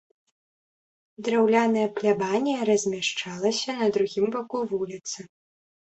Драўляная плябанія размяшчалася на другім баку вуліцы.